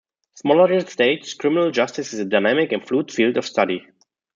Schmalleger states, Criminal justice is a dynamic and fluid field of study.